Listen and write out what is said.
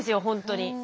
本当に。